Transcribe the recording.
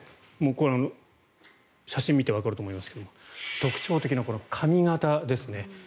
これは写真見てわかると思いますが特徴的なこの髪形ですね。